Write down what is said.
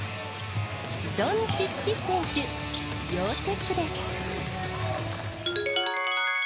ドンチッチ選手、要チェックです。